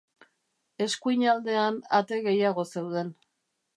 Eskuin aldean ate gehiago zeuden.